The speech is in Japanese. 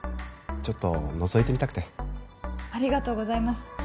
ちょっとのぞいてみたくてありがとうございます